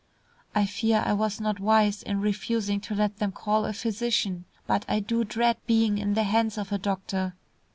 "I fear I was not wise in refusing to let them call a physician, but I do dread being in the hands of a doctor.